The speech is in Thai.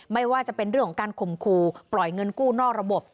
ไม่ว่าจะเป็นเรื่องของการข่มขู่ปล่อยเงินกู้นอกระบบ